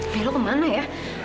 di lu kemana ya